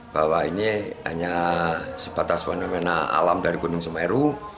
bahwa ini hanya sebatas fenomena alam dari gunung semeru